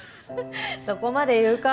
そこまで言うか？